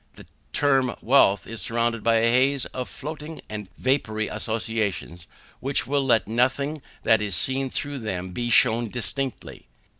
The term wealth is surrounded by a haze of floating and vapoury associations, which will let nothing that is seen through them be shewn distinctly.